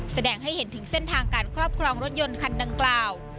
แสดงให้เห็นถึงเส้นทางการครอบครองรถยนต์คันดังกล่าว